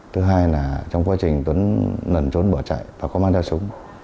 thứ hai là trong quá trình tuấn nần trốn bỏ chạy và có mang ra súng